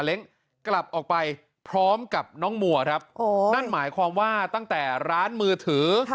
เล้งกลับออกไปพร้อมกับน้องมัวครับโอ้นั่นหมายความว่าตั้งแต่ร้านมือถือ